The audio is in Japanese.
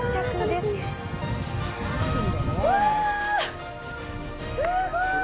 すごい！